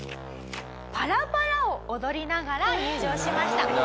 パラパラを踊りながら入場しました。